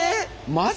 マジ？